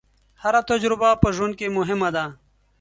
هره تجربه په ژوند کې مهمه ده.